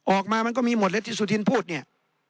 ออกมามันก็มีหมวดเล็กที่สุธินพูดเนี่ย